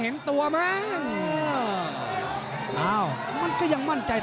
หรือว่าผู้สุดท้ายมีสิงคลอยวิทยาหมูสะพานใหม่